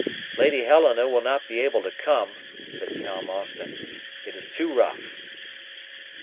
"Lady Helena will not be able to come," said Tom Austin. "It is too rough."